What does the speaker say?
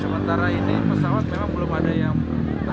sementara ini pesawat memang belum ada yang